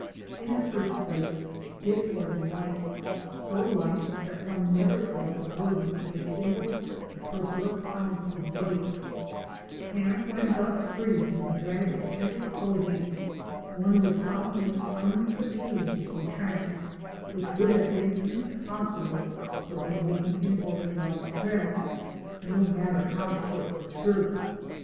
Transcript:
In the first place it was light — so light that one never felt the burden of a single superfluous ounce of weight, and when thus freed from the drag of heavy clothing one would come in unfatigued from tramps which would have been impossible for a woman in orthodox dress, no matter how short the skirt.